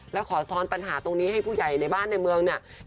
แล้วขอซ้อนปัญหาตรงนี้ให้ผู้ใหญ่ในบ้านในเมืองเนี่ย